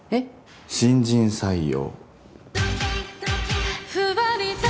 新人採用。